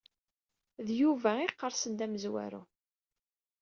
D Yuba ay iqersen d amezwaru.